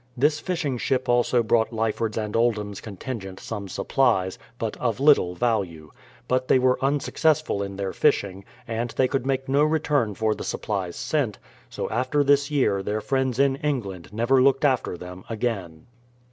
This fish ing ship also brought Lyford's and Oldham's contingent some supplies, but of little value ; but they were unsuccess ful in their fishing, and they could make no return for the THE PLYMOUTH SETTLEMENT 163 supplies sent, so after this year their friends in England never looked after them again.